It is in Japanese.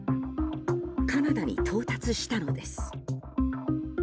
カナダに到達したのです。